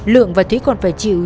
lượng và thúy còn phải chịu